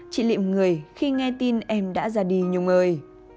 chị lịm người khi nghe tin em đã ra đi nhung ơi